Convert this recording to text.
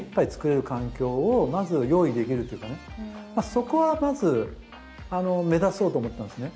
そこはまず目指そうと思ってたんですね。